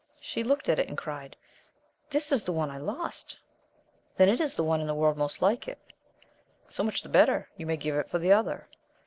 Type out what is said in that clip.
She looked at it, and cried, this is the one I lost. Not so, said he. — Then it is the one in the world most like it. So much the better : you may give it for the other.